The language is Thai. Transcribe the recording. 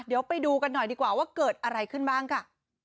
เดี๋ยวไปดูกันหน่อยดีกว่าว่าเกิดอะไรขึ้นบ้างค่ะ